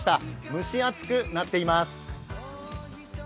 蒸し暑くなっています。